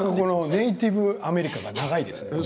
ネイティブアメリカンが長いですね。